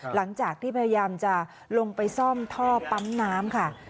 หลังจากที่พยายามจะลงไปซ่อมท่อปั๊มน้ำค่ะ